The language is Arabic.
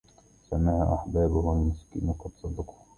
سماه أحبابه المسكين قد صدقوا